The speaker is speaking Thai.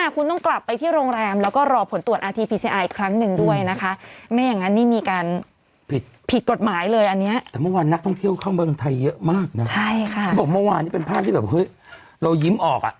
บอกเมื่อวานนี่เป็นภาพที่แบบเฮ้ยเรายิ้มออก